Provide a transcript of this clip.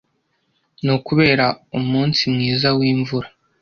ni ukubera umunsi mwiza wimvura